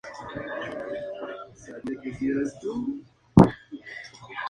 De hecho, nunca hubo un acuerdo unánime dentro del Círculo de Viena.